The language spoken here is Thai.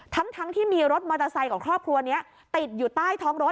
ทั้งที่มีรถมอเตอร์ไซค์ของครอบครัวนี้ติดอยู่ใต้ท้องรถ